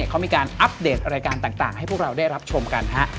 เขามีการอัปเดตรายการต่างให้พวกเราได้รับชมกันฮะ